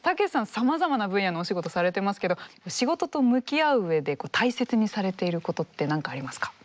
さまざまな分野のお仕事されてますけど仕事と向き合う上で大切にされていることって何かありますか？